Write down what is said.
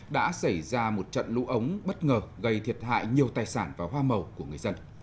đã xảy ra một trận lũ ống bất ngờ gây thiệt hại nhiều tài sản và hoa màu của người dân